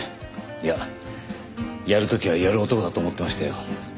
いややる時はやる男だと思ってましたよ。